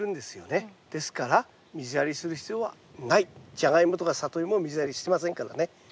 ジャガイモとかサトイモも水やりしてませんからね。